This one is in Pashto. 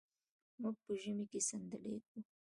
موږ په ژمي کې صندلی ږدو.